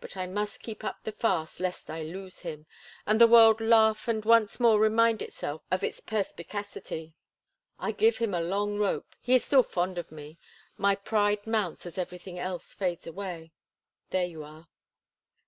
But I must keep up the farce lest I lose him, and the world laugh and once more remind itself of its perspicacity. I give him a long rope; he is still fond of me; my pride mounts as everything else fades away. There you are!"